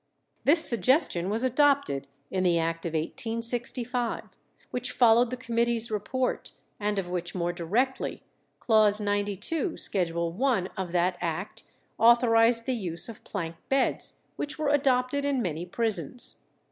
This suggestion was adopted in the Act of 1865, which followed the committee's report, and of which more directly. Clause 92, Schedule I. of that act authorized the use of plank beds, which were adopted in many prisons.